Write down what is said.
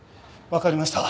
わかりました。